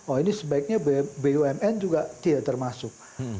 oh ini sebaiknya bumn juga tidak termasuk